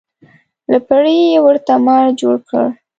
له پړي یې ورته مار جوړ کړ.